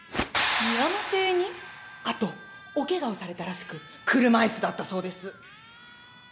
あとおケガをされたらしく車いすだったそうです。